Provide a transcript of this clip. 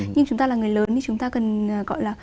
nhưng chúng ta là người lớn thì chúng ta cần gọi là